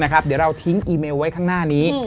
เดี๋ยวเราทิ้งอีเมลไว้ข้างหน้านี้